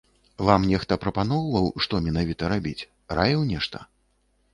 Вам нехта прапаноўваў, што менавіта рабіць, раіў нешта?